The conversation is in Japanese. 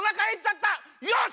よし！